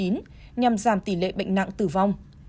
nhằm giảm tỷ lệ bệnh nặng tử vong